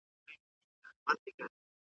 اسلام موږ ته د انتخاب معيارونه ښوولي دي.